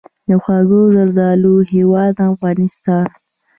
د خوږو زردالو هیواد افغانستان.